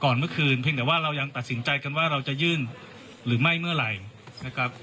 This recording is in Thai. เมื่อคืนเพียงแต่ว่าเรายังตัดสินใจกันว่าเราจะยื่นหรือไม่เมื่อไหร่นะครับ